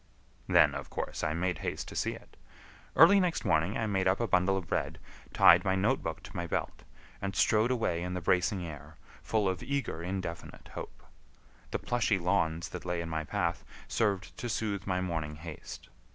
Then of course I made haste to see it. Early next morning I made up a bundle of bread, tied my note book to my belt, and strode away in the bracing air, full of eager, indefinite hope. The plushy lawns that lay in my path served to soothe my morning haste.